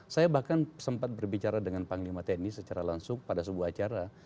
saya bahkan sempat berbicara dengan panglima tni secara langsung pada sebuah acara